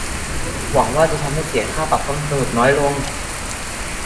หวังว่าจะทำให้เสียค่าปรับห้องสมุดน้อยลง !